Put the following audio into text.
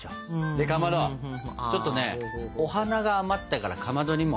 でかまどちょっとねお花が余ったからかまどにも。